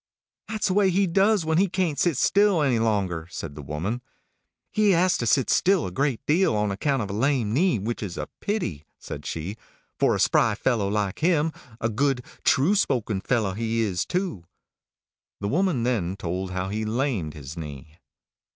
"That's the way he does when he can't sit still any longer," said the woman. "He has to sit still a great deal, on account of a lame knee, which is a pity," said she, "for a spry fellow like him; a good, true spoken fellow he is, too." The woman then told how he lamed his knee.